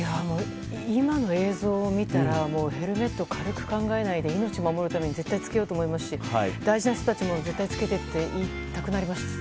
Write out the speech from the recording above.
今の映像を見たらヘルメット、軽く考えないで命を守るために絶対に着けようと思いますし大事な人たちにも絶対着けてって言いたくなりました。